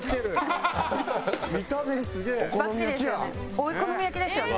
お好み焼きですよね。